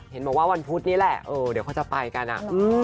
เห็นบอกว่าวันพุธนี่แหละเดี๋ยวเขาจะไปกันอ่ะ